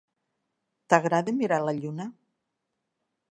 T'agrada mirar la lluna?